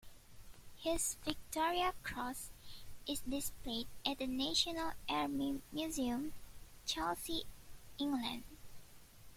His Victoria Cross is displayed at the National Army Museum, Chelsea, England.